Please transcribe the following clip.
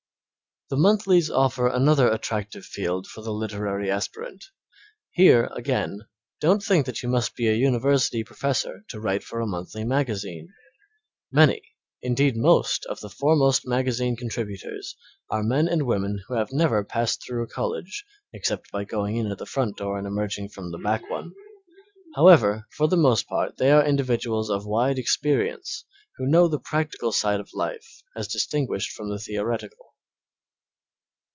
The monthlies offer another attractive field for the literary aspirant. Here, again, don't think you must be an university professor to write for a monthly magazine. Many, indeed most, of the foremost magazine contributors are men and women who have never passed through a college except by going in at the front door and emerging from the back one. However, for the most part, they are individuals of wide experience who know the practical side of life as distinguished from the theoretical.